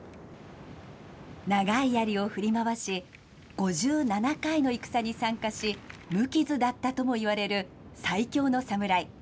長いやりを振り回し、５７回の戦に参加し、無傷だったともいわれる最強のサムライ。